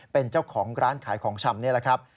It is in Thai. เป็นเจ้าของร้านขายของชำนี่แหละครับ